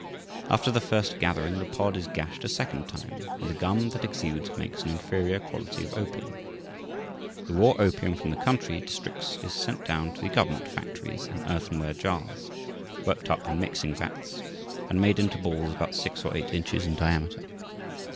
After the first gathering, the pod is gashed a second time, and the gum that exudes makes an inferior quality of opium. The raw opium from the country districts is sent down to the government factories in earthenware jars, worked up in mixing vats, and made into balls about six or eight inches in diameter.